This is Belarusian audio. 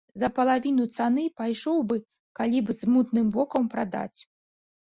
За палавіну цаны пайшоў бы, калі б з мутным вокам прадаць.